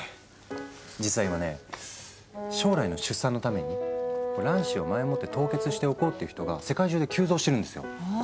実は今ね将来の出産のために卵子を前もって凍結しておこうって人が世界中で急増してるんですよ。